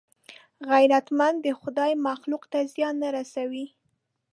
غیرتمند د خدای مخلوق ته زیان نه رسوي